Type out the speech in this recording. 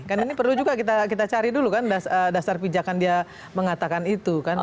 karena ini perlu juga kita cari dulu kan dasar pijakan dia mengatakan itu kan